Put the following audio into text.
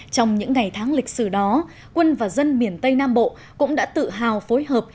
trong những ngày tháng lịch sử đó quân và dân miền tây nam bộ cũng đã tự hào phối hợp